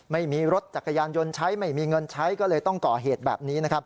ไม่มีรถจักรยานยนต์ใช้ไม่มีเงินใช้ก็เลยต้องก่อเหตุแบบนี้นะครับ